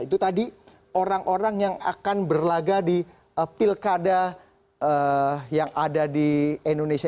itu tadi orang orang yang akan berlaga di pilkada yang ada di indonesia